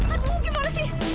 aduh gimana sih